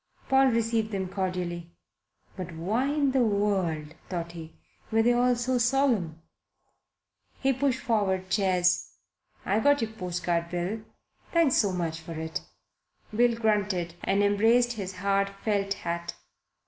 Paul received them cordially. But why in the world, thought he, were they all so solemn? He pushed forward chairs. "I got your postcard, Bill. Thanks so much for it." Bill grunted and embraced his hard felt hat.